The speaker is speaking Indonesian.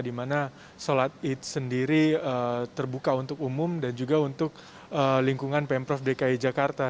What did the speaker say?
di mana sholat idul adha sendiri terbuka untuk umum dan juga untuk lingkungan pemprov dki jakarta